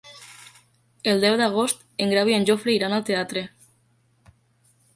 El deu d'agost en Grau i en Jofre iran al teatre.